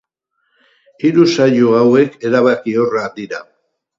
Hiru saio hauek erabakiorrak dira.